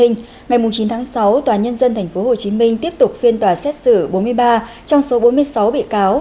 ngày chín tháng sáu tòa nhân dân tp hcm tiếp tục phiên tòa xét xử bốn mươi ba trong số bốn mươi sáu bị cáo